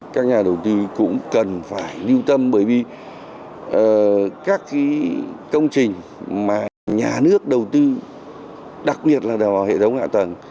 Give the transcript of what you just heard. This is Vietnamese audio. các nhà đầu tư cũng cần phải lưu tâm bởi vì các công trình mà nhà nước đầu tư đặc biệt là vào hệ thống hạ tầng